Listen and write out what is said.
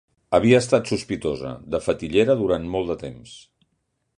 Havia estat sospitosa de fetillera durant molt de temps.